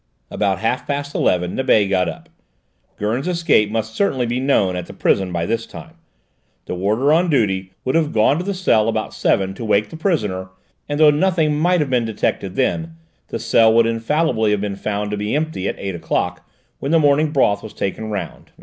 About half past eleven Nibet got up; Gurn's escape must certainly be known at the prison by this time. The warder on duty would have gone to the cell about seven to wake the prisoner, and though nothing might have been detected then, the cell would infallibly have been found to be empty at eight o'clock, when the morning broth was taken round.